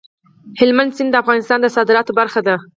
هلمند سیند د افغانستان د صادراتو برخه ده.